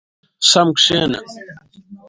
که يو څوک خپله ماتې د حقيقت په توګه و نه مني.